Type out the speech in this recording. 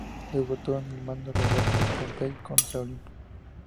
Debutó al mando de Roberto Pompei contra Olimpo.